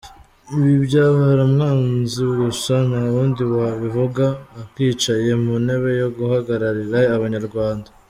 Ibi byabara umwanzi gusa ntawundi wabivuga akicaye mu ntebe yo guhagararira abanyarwanda.